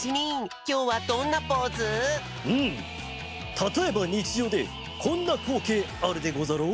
たとえばにちじょうでこんなこうけいあるでござろう？